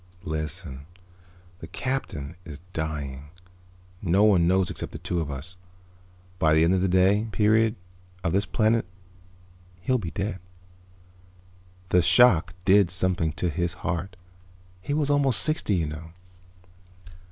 "Listen. The Captain is dying. No one knows except the two of us. By the end of the day period of this planet he'll be dead. The shock did something to his heart. He was almost sixty, you know."